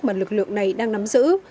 mà lực lượng này đang nắm giữ